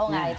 oh gak itu